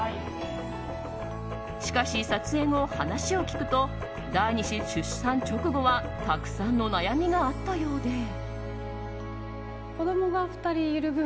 しかし撮影後、話を聞くと第２子出産直後はたくさんの悩みがあったようで。